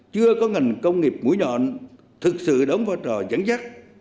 chưa có ngành công nghiệp mũi nhọn thực sự đóng phát trò giãn dắt